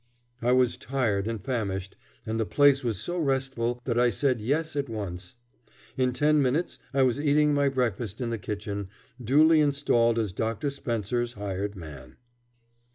I was tired and famished, and the place was so restful that I said yes at once. In ten minutes I was eating my breakfast in the kitchen, duly installed as Dr. Spencer's hired man.